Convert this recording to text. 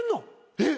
えっ！？